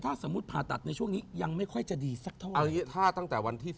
ถ้าสมมุติผ่าตัดในช่วงนี้ยังไม่ค่อยจะดีสักเท่าไหร่